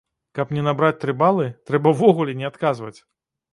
Каб не набраць тры балы, трэба ўвогуле не адказваць!